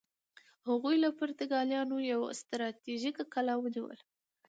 هغوی له پرتګالیانو یوه ستراتیژیکه کلا ونیوله.